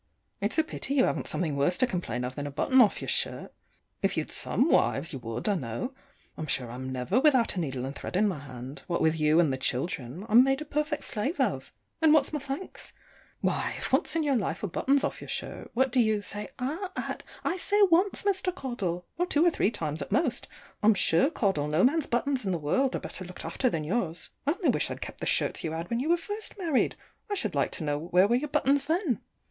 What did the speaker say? It's a pity you hav'n't something worse to complain of than a button off your shirt. If you'd some wives, you would, I know. I'm sure I'm never without a needle and thread in my hand; what with you and the children, I'm made a perfect slave of. And what's my thanks? Why, if once in your life a button's off your shirt what do you say "ah" at? I say once, Mr. Caudle; or twice or three times, at most. I'm sure, Caudle, no man's buttons in the world are better looked after than yours. I only wish I'd kept the shirts you had when you were first married! I should like to know where were your buttons then?